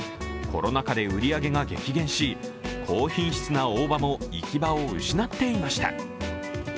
コロナ禍で売り上げが激減し、高品質な大葉も行き場を失っていました。